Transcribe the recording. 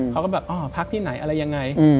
เขาก็แบบอ๋อพักที่ไหนอะไรยังไง